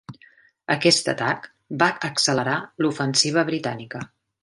Aquest atac va accelerar l'ofensiva britànica.